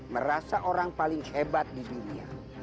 merasa orang paling hebat di dunia